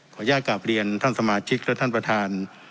อนุญาตกลับเรียนท่านสมาชิกและท่านประธาน